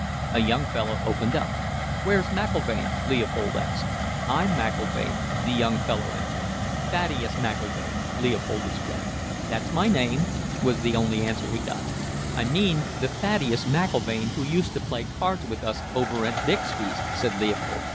"A young fellow opened up. "'Where's McIlvaine?' Leopold asked. "'I'm McIlvaine,' the young fellow answered. "'Thaddeus McIlvaine,' Leopold explained. "'That's my name,' was the only answer he got. "'I mean the Thaddeus McIlvaine who used to play cards with us over at Bixby's,' said Leopold.